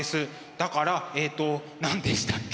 だからえっと何でしたっけ？